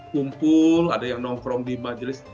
kumpul ada yang nongkrong di majelis